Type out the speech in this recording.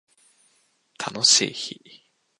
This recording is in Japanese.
楽しい日